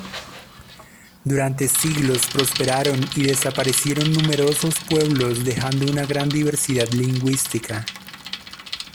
Durante siglos prosperaron y desaparecieron numerosos pueblos dejando una gran diversidad lingüística.